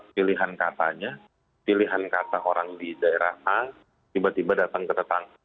pilihan katanya pilihan kata orang di daerah a tiba tiba datang ke tetangga